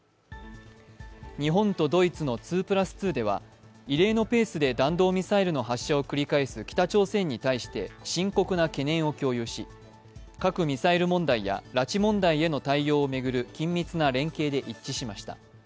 日本とドイツの２＋２では、異例のペースで弾道ミサイルの発射を繰り返す北朝鮮に対して深刻な懸念を共有し、核・ミサイル問題や、拉致問題への対応を巡る緊密な連携で一致しました。